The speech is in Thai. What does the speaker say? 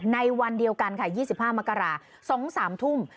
ในวันเดียวกันค่ะ๒๕มกรา๒๓ทุ่ม